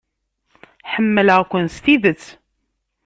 Ḥemmleɣ-ken s tidet.